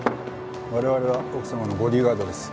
我々は奥様のボディーガードです。